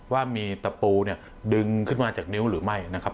ว่ามีตะปูเนี่ยดึงขึ้นมาจากนิ้วหรือไม่นะครับ